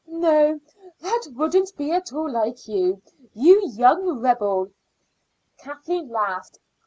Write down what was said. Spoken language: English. "No; that wouldn't be at all like you, you young rebel.". Kathleen laughed.